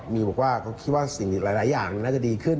มีบอกว่าคิดว่าหลายอย่างน่าจะดีขึ้น